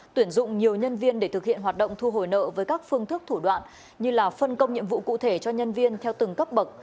tuyển dụng nhiều nhân viên để thực hiện hoạt động thu hồi nợ với các phương thức thủ đoạn như là phân công nhiệm vụ cụ thể cho nhân viên theo từng cấp bậc